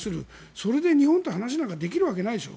それで日本と話なんかできるわけないでしょ。